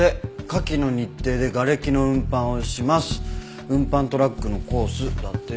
「下記の日程で瓦礫の運搬をします」「運搬トラックのコース」だって。